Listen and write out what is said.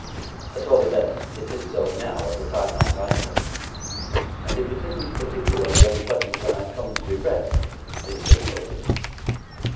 At all events it is so now at the time I am writing, and if it isn't particularly unpleasant when I come to be read it soon will be.